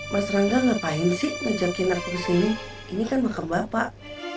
mas rangga ngapain sih ngajakin aku kesini ini kan makar bapak